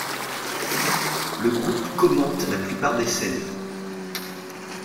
Le groupe commente la plupart des scènes.